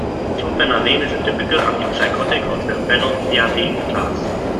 Fluphenazine is a typical antipsychotic of the phenothiazine class.